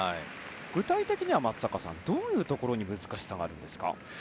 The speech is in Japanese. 具体的には松坂さんどういうところに難しさがあるんですか？